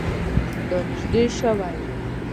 دا نژدې شوی؟